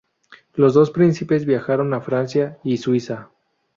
Los dos príncipes viajaron a Francia y Suiza.